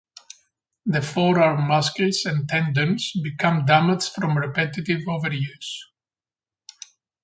The forearm muscles and tendons become damaged from repetitive overuse.